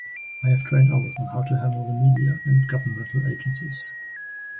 I have trained others on how to handle the media and governmental agencies.